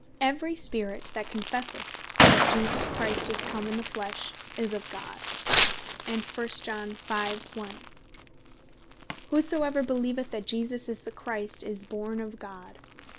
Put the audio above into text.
"Every Spirit that confesseth that Jesus Christ is come in the flesh, is of God." And 1 Joh. 5. 1. "whosoever beleeveth that Jesus is the Christ, is born of God."